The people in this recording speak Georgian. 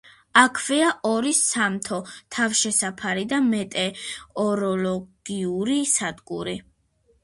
აქვეა ორი სამთო თავშესაფარი და მეტეოროლოგიური სადგური.